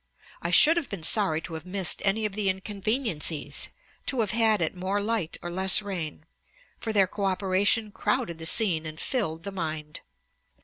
I should have been sorry to have missed any of the inconveniencies, to have had more light or less rain, for their co operation crowded the scene and filled the mind.'